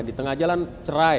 di tengah jalan cerai